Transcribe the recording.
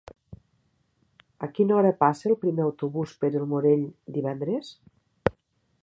A quina hora passa el primer autobús per el Morell divendres?